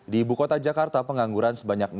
di ibu kota jakarta pengangguran sebanyak sembilan orang